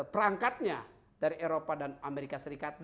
perangkatnya dari eropa dan amerika serikat